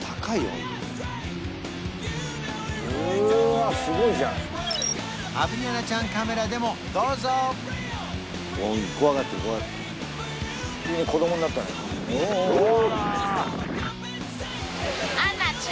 ホントうわすごいじゃんアブリアナちゃんカメラでもどうぞ怖がってる怖がってる急に子供になったねおおうわ！